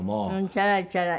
チャラいチャラい。